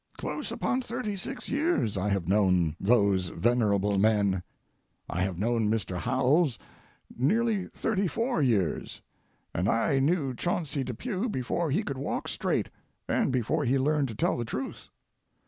Close upon thirty six years I have known those venerable men. I have known Mr. Howells nearly thirty four years, and I knew Chauncey Depew before he could walk straight, and before he learned to tell the truth.